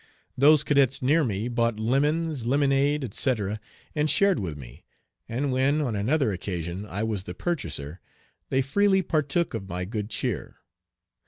Those cadets near me bought lemons, lemonade, etc, and shared with me, and when, on another occasion, I was the purchaser, they freely partook of my "good cheer."